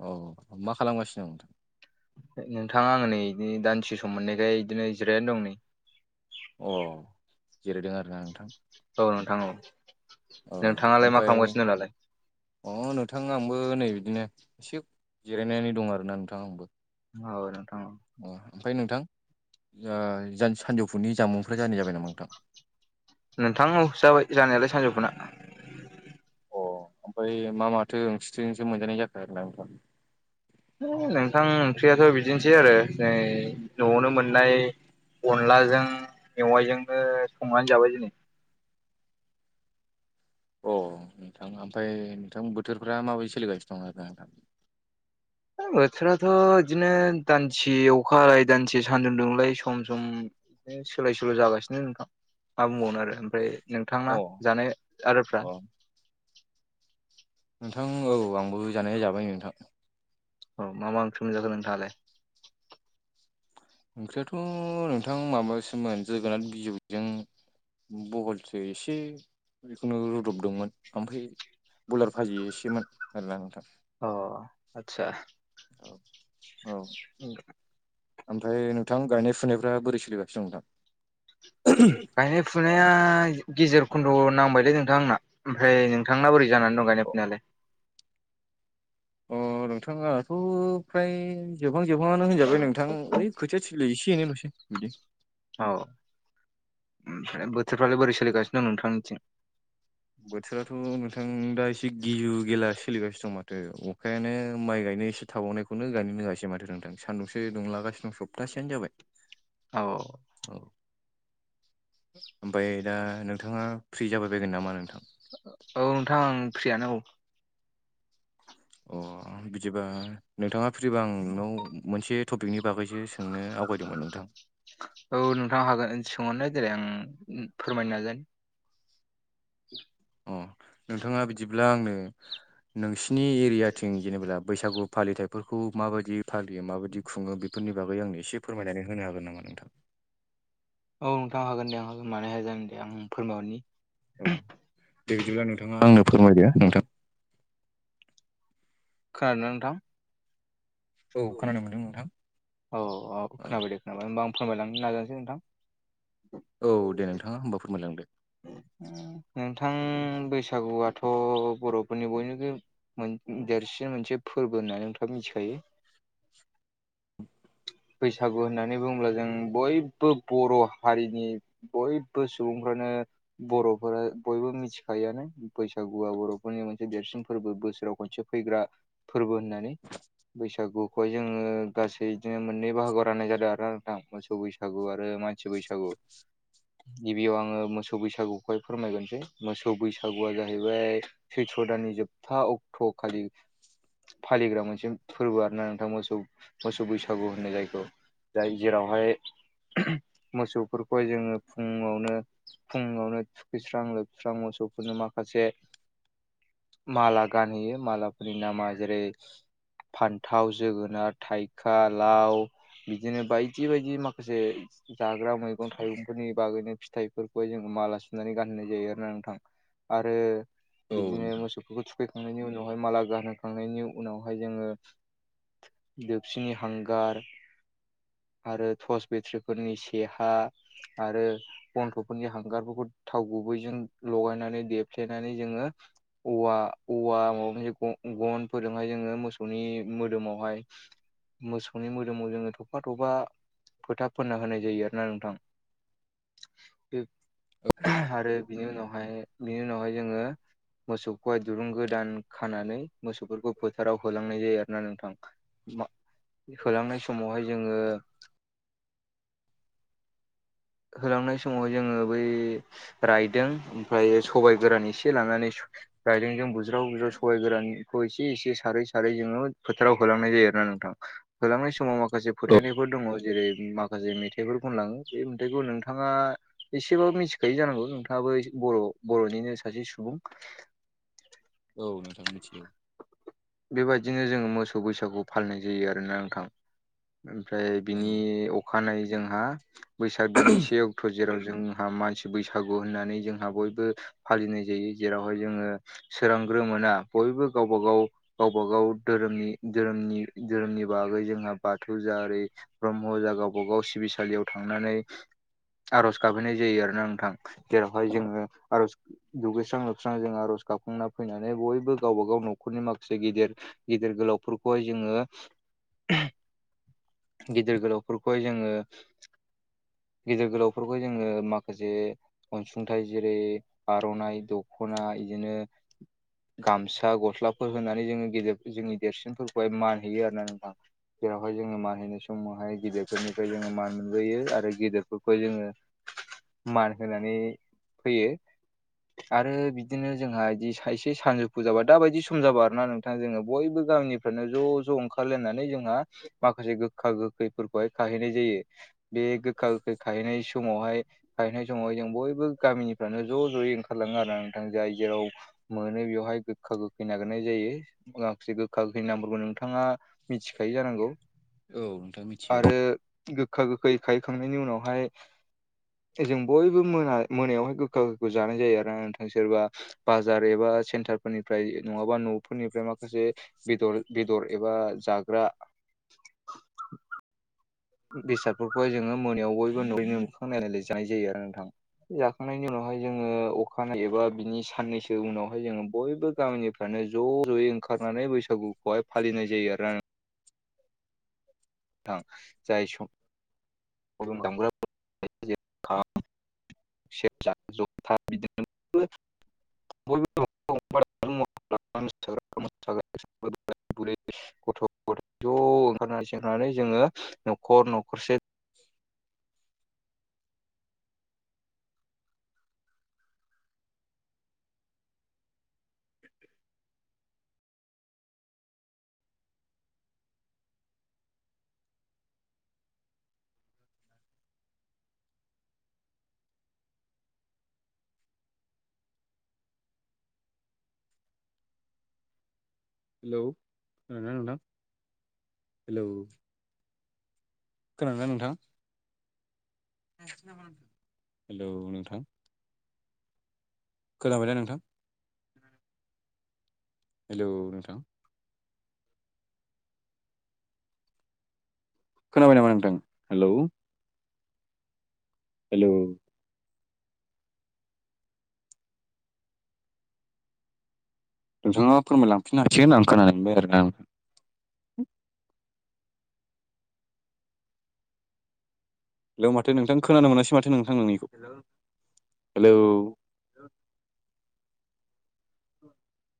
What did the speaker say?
अ मा खालामगासिनो दं नोंथां? नोंथां आंङो नै बि दानदिसे सम मोननायखाय बिदिनो जिरायानानै दं नै। अ जिरायदों आरोना नोंथां? औ नोंथां औ औ नोंथाङालाय मा ओमफ्राय खालामगासिनो दं दालाय? अ नोंथां आंबो नै बिदिनो एसे जिरायनानै दं आरोना नोंथां आंबो। अ नोंथां अ अ ओमफाय नोंथां ओ जान सानजौफुनि जामुंफोर जानो जाबाय नामा नोंथां? नोंथां औ जाबाय जानायालाय सानजौफुना। अ ओमफ्राय मा माथो ओंथिथिंसो मोनजानाय जाखो आरो ना नोंथां। ओइ नोंथां ओंख्रियाथ' बिदिनोसै आरो नै न'आवनो मोननाय अनलाजों मेवाइजोंनो संनानै जाबाय दिनै। अ नोंथां ओमफाय नोंथां बोथोरफ्रा माबायदि सोलिगासिनो दं आरोना नोंथां। होय बोथोराथ' इदिनो दान्से अखा हालाय दान्से सान्दुं दुंलाय सम सम [unintelligible] सोलाय सोल' जागासिनो नोंथां मा बुंबावनो आरो ओमफ्राय अ नोंथांना जानाय आदारफ्रा अ नोंथां औ आंबो जानाया जाबाय नोंथां औ मा मा ओंख्रि मोनजाखो नोंथांङालाय ओंख्रियाथ' नोंथां माबासोमोन जोगोनार बिजौजों बहलसो एसे जिखुनु रुदबदोंमोन ओमफ्राय बयलार भाजि एसेमोन आरोना नोंथां अ आतसा औ औ उम ओमफ्राय नोंथां गायनाय फुनायफ्रा बोरै सोलिगासिनों नोंथां गायनाय फुनाया गेजेर खन्द' नांबायलै नोंथां आंना ओमफ्राय नोंथांना बोरै जानानै दं गायनाय फुनायालाय अ नोंथां आंनाथ' फ्राय जोबहां जोबहांआनो होनजाबाय नोंथां ओइ खोथिया थिलि एसे एनैल'सै बिदि औ ओमफ्राय बोथोरफ्रालाय बोरै सोलिगासिनो दं नोंथांनिथिं बोथोराथ' नोंथां दा एसे गिजु गेला सोलिगासिनो दं माथो अखायानो माइ गायनो एसे थाबावनायखौनो गायनोनो होआसै माथो नोंथां सान्दुंसो दुंलागासिनो दं सप्तासेनो जाबाय। औ औ ओमफ्राय दा नोंथांङा फ्रि जाबाय बायगोन नामा नोंथां औ नोंथां फ्रियानो औ अ बिदिबा नोंथथंङा फ्रिबा आं नोंनाव मोनसे टपिकनि बागैसो सो नोंनो आवगायदोंमोन नोंथां औ नोंथां हागोन सोंहरनाय देलाय आं फोरमायनो नाजायो [inaudible] अ नोंथांङा बिदिब्ला आंनो नोंसिनि एरियाथिं जेनेबा बैसागु फालिथाइफोरखौ माबायदि फालियो माबायदि खुङो बेफोरनि बागै आंनो एसे फोरमायनानै होनो हागोन नामा? नोंथां? [inaudible] औ नोंथां हागोन दे आं हा मानो हाया जागोन दे आं फोरमायहरनि औ दे बिदिब्ला नोंथांङा आंनो फोरमायदो नोंथां खोनादों ना नोंथां औ खोनानो मोनदों नोंथां औ औ खोनाबाय दे खोनाबाय होमबा आं फोरमायलांनो नाजानोसै नोंथां औ दे नोंथांङा होनबा फोरमायलांदो नोंथां बैसागुआथ' बर'फोरनि बयनिबो देरसिन मोनसे फोरबो होननानै नोंथांङा मिथिखायो बैसागु होननानै बुंङोब्ला जों बयबो बर' हारिनि बयबो सुबुंफ्रानो बर'फोरा बयबो मिथिखायोआनो बैसागुआ बर'फोरनि मोनसे देरसिन फोरबो बोसोराव खनसे फालिग्रा फोरबो होननानै बैसागुखौहाय जोंङो गासै बिदिनो मोननै बाहागोआव राननाय जादों आरो ना नोंथां मोसौ बैसागो बैसागु आरो मानसि बैसागु [inaudible] गिबियाव आंङो मोसौ बैसागुखौहाय फोरमायगोरसै मोसौ बैसागुआ जाहैबाय सैथ्र' दाननि जोबथा अक्ट' खालि फालिग्रा मोनसे फोरबो आरोना नोंथां मोसौ मोसौ बैसागु होननो जायखौ जाय जेरावहाय मोसौफोरखौहाय जोङो फुङावनो फुङावनो थुखैस्रां लोबस्रां मोसौफोरनो माखासे माला गानहोयो मालाफोरनि नामा जेरै फान्थाव जोगोनार थाइखा लाव बिदिनो बायदि बायदि माखासे जाग्रा मैगं थाइगंफोरनि बागैनो फिथाइफोर खौ जों माला सुनानै गाननाय जायो आरो ना नोंथां आरो औ बिदिनो मोसौफोरखौ थुखैखांनायनि उनावहाय माला गानहोखांनायनि उनावहाय जोङो देबसिनि हांगार आरो टर्स बेट्रिफोरनि सेहा आरो बन्थ' नि हांगारफोरखौ थाव गुबैजों लगायनानै देफ्लेनानै जोङो औवा औवा माबा मोनसे गनफोरजोंहाय जोङो मोसौनि मोदोमावहाय मोसौनि मोदोमाव जोङो थफा थफा फोथा फोनना होनाय जायो आरोना नोंथां द [unintelligible] औ आरो बिनि उनावहाय बिनि उनावहाय जोङो मोसौखौहाय दुरुं गोदान खानानै मोसौफोरखौ फोथाराव होलांनाय जायो आरोना नोंथां होलांनाय समावहाय जोङो होलांनाय समावहाय जोङो बै रायदों ओमफ्राय सबाय गोरान एसे लानानै रायदोंजों बुज्राव बुज्राव सबाइ गोरानखौ एसे एसे सारै सारै जोङो फोथाराव होलांनाय जायो आरोना नोंथां होलांनाय समाव माखासे औ फोथायनायफोर दङ जेरै माखासे मेथाइफोर खलाङो बे बेखौ नोंथाङा एसेबाबो मिथिखायो जानांगौ नोंथाङाबो बर' बर'निनो सासे सुबुं [inaudible] औ नोंथां मिथियो बेबायदिनो जोङो मोसौ बैसागु फालिनाय जायो आरोना नोंथां ओमफ्राय औ बिनि अखानायै जोंहा बैसाग दान से अख थ' जेराव जोंहा मानसि बैसागु होननानै जोंहा बयबो फालिनाय जायो जेरावहाय जोङो सोरांग्रो मोना बयबो गावबा गाव गावबा गाव दोरोमनि दोरोमनि दोरोमनि बागै जोंहा बाथौ जरै ब्रह्म जा गावबा गाव सिबिसालियाव थां आर'ज गाबहैनाय जायो आरोना नोंथां जेरावहाय जोङो आरज दुगैस्रां लोबस्रां जों आर'ज गाबाखांना फैनानै बयबो गावबाागाव न'खरनि माखासे गिदिर गेदिर गोलावफोरखौहाय जोङो गिदिर गोलावफोरखौहाय जोङो गिदिर गोलावफोरखौ जोङो माखासे अनसुंथाइ जेरै आर'नाइ द खना इदिनो गामसा गस्लाफोर होनानै जोङो गेदेर जोंनि देरसिन मान हैयो आरोना नोंथां जेरावहाय जोङो मान हैनाय समावहाय गिदिरफोरनिफ्राय जोङो मान बोयो आरो गेदेरफोरखौ जोङो मान होनानै फैयो आरो बिदिनो जोंहा बिदि एसे सानजौ फुजाबा दाबायदि सम जाबाय आरोना नोंथां जोङो बयबो गामिफ्रानो ज' ज' ओंखारलायनानै जोंहा माखासे गोखा गोखैफोरखौहाय खाहैनाय जायो बे गोखा गोखै खाहैनाय समावहाय गाहैनाय समावहाय जों बयबो गामिनिफ्रानो ज' ज'यै ओंखारलाङो आरो नोंथां जाय जेराव मोनो बेवहाय गोखा गोखै नागिरनाय जायो माखासे गोखा गोखै नामफोरखौ नोंथाङा मिथिखायो जानांगौ औ नोंथां मिथिगौ आरो गोखा गोखा खै खाहैखांनायनि उनावहाय जों बयबो मोना मोनायावहाय गोखा गोखैखौ जानाय जायो आरोना नोंथां सोरबा बाजार एबा सेन्टार फोरनिफ्राय नङाबा न'फोरनिफ्राय माखासे बेदर बेदर एबा जाग्रा बेसादफोरखौहाय जोङो मोनायाव बयबो न'यैनो मोखां नायलायनानै जानाय जायो आरो नोंथां जाखांनायनि उनावहाय जोङो अखानायै एबा बिनि साननैसो उनावहाय जोङो बयबो गामिनिफ्रानो ज' ज'यै ओंखारनानै बैसागुखौहाय फालिनाय जायो आरो आंङो थां जाय सम दल दामग्रा [unintelligible] सेरजा जथा बिदिनो बयबो [unintelligible] गामिनि सासै बोराय बुरै गथ' ज' ओंखारनानै संनानै जोङो न'खर न'खरसे [unintelligible] [unintelligible] हेलौ खोनादोंना नोंथां हेलौ खोनादोंना नोंथां हेलौ नोंथां खोनाबायना नोंथां खोनादों हेलौ नोंथां खोनाबाय नामा नोंथां हेलौ हेल' नोंथाङा फोरमायलांफिननो हासिगोन आं खोनानो मोनबाय आरोना नों हेलौ माथो नोंथां खोनानो मोनासै माथो नोंथां नोंनिखौ हेलौ हेलौ [unintelligible]